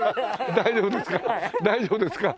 大丈夫ですか？